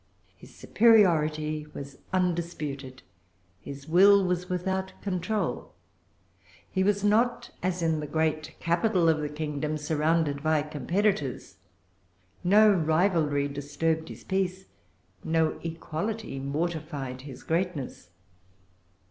His superiority was undisputed: his will was without control. He was not, as in the great capital of the kingdom, surrounded by competitors. No rivalry disturbed his peace; no equality mortified his greatness.